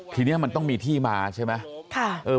ทีนี้มันต้องมีที่มาใช่ไหม